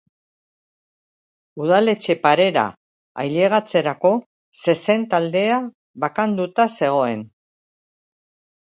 Udaletxe parera ailegatzerako zezen taldea bakanduta zegoen.